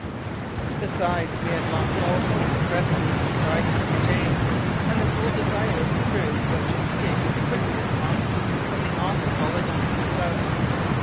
Besides, we had lost all hope of rescuing the survivors of the Jane, and the sole desire of the crew was to escape as quickly as possible from the awful solitudes of the south.